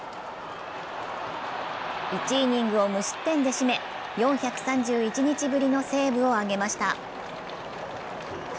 １イニングを無失点で締め、４３１日ぶりのセーブを挙げました。